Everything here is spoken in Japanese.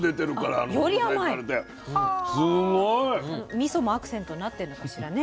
みそもアクセントになってるのかしらね。